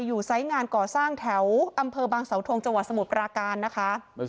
ไซส์งานก่อสร้างแถวอำเภอบางสาวทงจังหวัดสมุทรปราการนะคะ